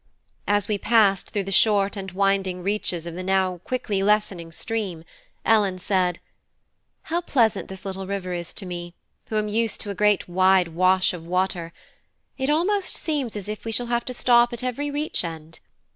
As we passed through the short and winding reaches of the now quickly lessening stream, Ellen said: "How pleasant this little river is to me, who am used to a great wide wash of water; it almost seems as if we shall have to stop at every reach end.